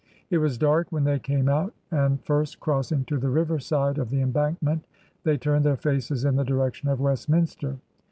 It was dark when they came out, and first crossing to the river side of the Embankment, they turned their faces in the direc tion of Westminster.